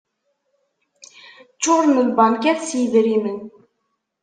Ččuren lbankat s yidrimen.